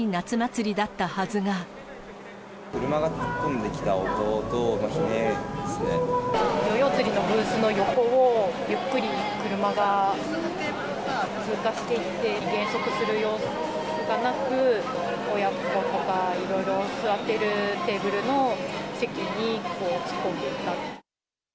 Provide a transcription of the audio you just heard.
車が突っ込んできた音と、ヨーヨー釣りのブースの横を、ゆっくり車が通過していって、減速する様子はなく、親子とかいろいろ座ってるテーブルの席に突っ込んでいった。